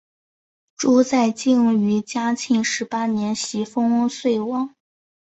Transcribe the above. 朱载境于嘉靖十八年袭封崇王。